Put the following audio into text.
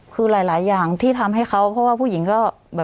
คือหลายอย่างที่ทำให้เขาเพราะว่าผู้หญิงก็แบบ